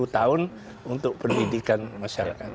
sepuluh tahun untuk pendidikan masyarakat